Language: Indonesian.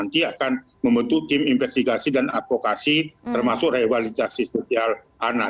nanti akan membentuk tim investigasi dan advokasi termasuk revalidasi sosial anak